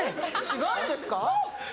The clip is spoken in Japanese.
違うんですか？